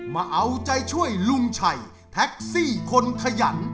มาเอาใจช่วยลุงชัยแท็กซี่คนขยัน